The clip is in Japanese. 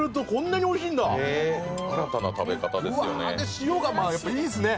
塩がいいですね。